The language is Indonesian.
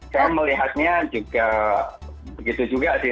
saya melihatnya juga begitu juga sih